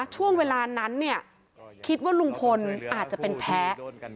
ช่วงเวลานั้นเนี่ยคิดว่าลุงพลอาจจะเป็นแพ้